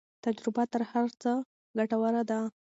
تجربه تر هر څه ګټوره ده.